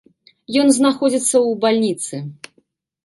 Ён знаходзіцца ў бальніцы.